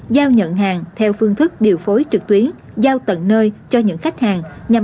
giao nhận hàng theo phương thức điều phối trực tuyến giao tận nơi cho những khách hàng nhằm